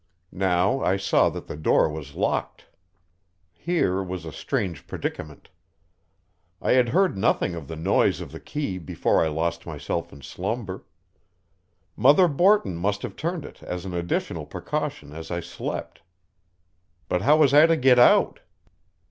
Now I saw that the door was locked. Here was a strange predicament. I had heard nothing of the noise of the key before I lost myself in slumber. Mother Borton must have turned it as an additional precaution as I slept. But how was I to get out?